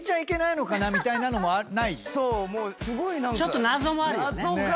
ちょっと謎もあるよね。